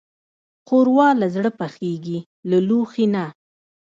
ښوروا له زړه پخېږي، له لوښي نه.